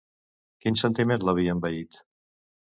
Quin sentiment l'havia envaït?